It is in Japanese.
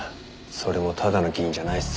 それもただの議員じゃないっすよ。